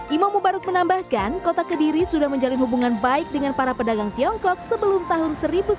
imam mubaruk menambahkan kota kediri sudah menjalin hubungan baik dengan para pedagang tiongkok sebelum tahun seribu sembilan ratus sembilan puluh